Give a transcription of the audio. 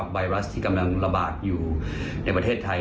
ไวรัสที่กำลังระบาดอยู่ในประเทศไทย